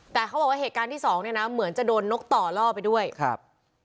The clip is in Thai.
แต่เขาบอกว่าเหตุการณ์ที่สองเนี่ยนะเหมือนจะโดนนกต่อล่อไปด้วยครับ